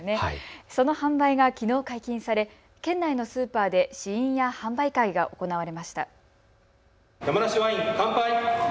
その販売がきのう解禁され県内のスーパーで試飲や販売会が行われました。